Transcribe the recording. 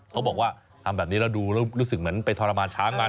เขาบอกว่าทำแบบนี้แล้วดูแล้วรู้สึกเหมือนไปทรมานช้างมัน